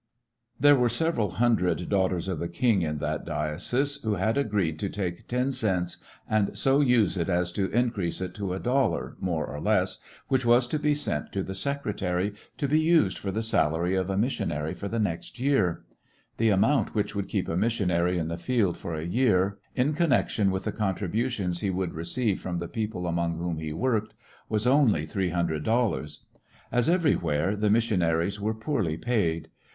There were several hundred Daughters of Supporting a the King in that diocese who had agreed to take ten cents and so use it as to increase it to a dollar, more or less, which was to be sent to the secretary, to be used for the salary of a missionary for the next year. The amount which would keep a missionary in the field for a year, in connection with the contribu tions he would receive from the people among whom he worked, was only three hundred dollars. As everywhere, the missionaries were poorly paid.